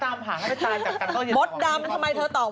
ตามหาให้ตายจากกังกลัวเห็นสอง